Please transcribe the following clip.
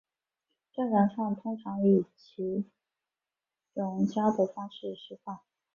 战场上通常将其以气溶胶的方式施放。